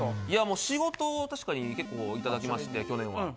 いやもう仕事確かに結構いただきまして去年は。